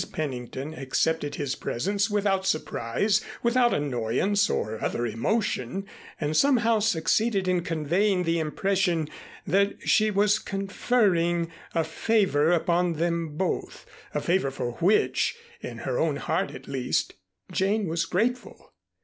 Pennington accepted his presence without surprise, without annoyance or other emotion; and somehow succeeded in conveying the impression that she was conferring a favor upon them both, a favor for which, in her own heart at least, Jane was grateful.